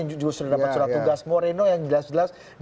justru sudah dapat surat tugas moreno yang jelas jelas